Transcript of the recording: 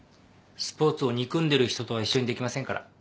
スポーツを憎んでる人とは一緒にできませんから。